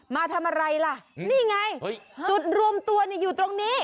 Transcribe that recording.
มาทำอะไรล่ะนี่ไงจุดรวมตัวอยู่ตรงนี้